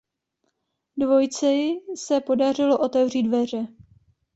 Dvojici se podařilo otevřít dveře.